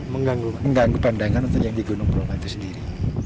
mengganggu pandangan untuk yang di gunung bromo itu sendiri